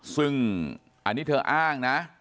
ซึ่งอันนี้เธออ้างนะ